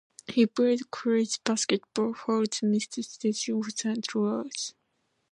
He played college basketball for Michigan State and Saint Louis.